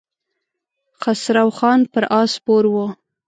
خسرو خان پر آس سپور و.